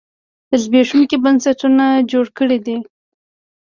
زبېښونکي بنسټونه جوړ کړي دي.